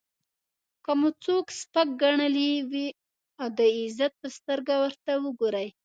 که مو څوک سپک ګڼلی وي د عزت په سترګه ورته وګورئ.